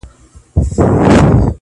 • نه یې زرکي په ککړو غولېدلې -